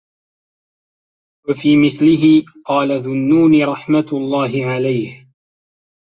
وَفِي مِثْلِهِ قَالَ ذُو النُّونِ رَحْمَةُ اللَّهِ عَلَيْهِ